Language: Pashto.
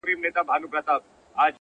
مینه زړونه نږدې کوي!